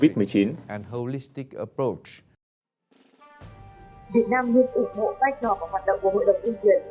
việt nam luôn ủng hộ tái trò và hoạt động của hội đồng nhân quyền